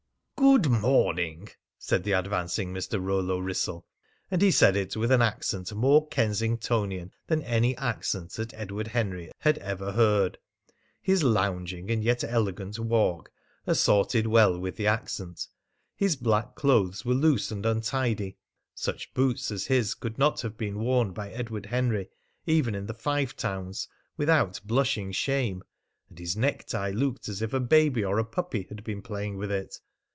"Good morning," said the advancing Mr. Rollo Wrissell, and he said it with an accent more Kensingtonian than any accent that Edward Henry had ever heard. His lounging and yet elegant walk assorted well with the accent. His black clothes were loose and untidy. Such boots as his could not have been worn by Edward Henry even in the Five Towns without blushing shame, and his necktie looked as if a baby or a puppy had been playing with it.